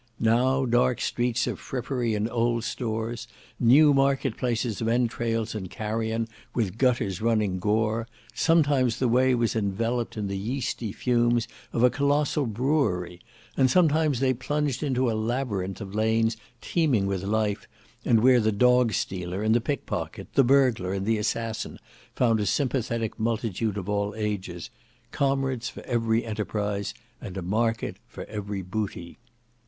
Now dark streets of frippery and old stores, new market places of entrails and carrion with gutters running gore, sometimes the way was enveloped in the yeasty fumes of a colossal brewery, and sometimes they plunged into a labyrinth of lanes teeming with life, and where the dog stealer and the pick pocket, the burglar and the assassin, found a sympathetic multitude of all ages; comrades for every enterprise; and a market for every booty.